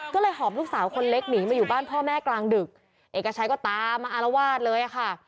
ก็เลยหอบลูกสาวคนเล็กหนีมาอยู่บ้านพ่อแม่กลางดึกเอกชัยก็ตามมาอารวาสเลยค่ะ